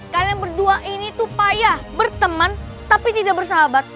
kalian berdua ini tuh payah berteman tapi tidak bersahabat